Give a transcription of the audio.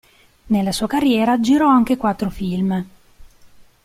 Nella sua carriera, girò anche quattro film.